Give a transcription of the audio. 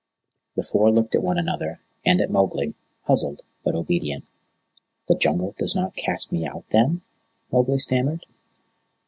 The Four looked at one another and at Mowgli, puzzled but obedient. "The Jungle does not cast me out, then?" Mowgli stammered.